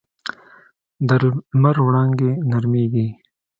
د لمر وړانګې نرمېږي